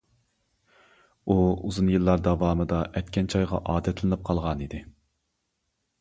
ئۇ ئۇزۇن يىللار داۋامىدا ئەتكەن چايغا ئادەتلىنىپ قالغانىدى.